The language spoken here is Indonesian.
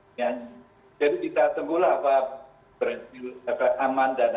memorinya ini supaya kenalnya lebih lama supaya bisa tahan tui nya bisa tahan lebih lama